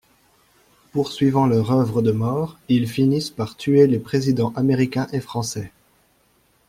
Poursuivant leur oeuvre de mort, ils finissent par tuer les présidents américain et français.